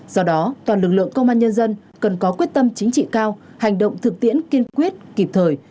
do đó toàn lực lượng công an nhân dân cần có quyết tâm chính trị cao hành động thực tiễn kiên quyết kịp thời